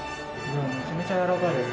めちゃめちゃやわらかいです。